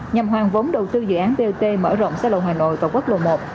nhằm hoàn vốn đầu tư dự án vot mở rộng xa lộ hà nội vào quốc lộ một